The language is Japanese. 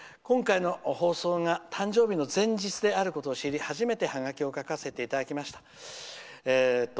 今回の放送が誕生日の前日であることを知り初めてハガキを書かせていただきました。